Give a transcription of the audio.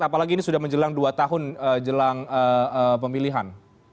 apalagi ini sudah menjelang dua tahun jelang pemilihan